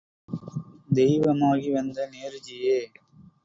தெய்வமாகி வந்த நேருஜியே!...